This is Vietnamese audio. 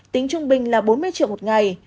tính trung bình là bốn mươi triệu một ngày